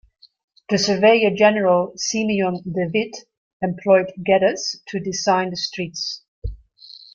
The Surveyor-General, Simeon DeWitt employed Geddes to design the streets.